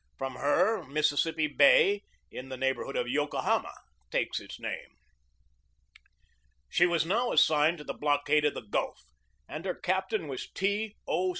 From her, Mississippi Bay, in the neighborhood of Yokohama, takes its name. She was now assigned to the blockade of the Gulf, and her captain was T. O.